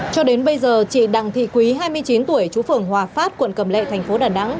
cho đến bây giờ chị đặng thị quý hai mươi chín tuổi chú phường hòa phát quận cầm lệ thành phố đà nẵng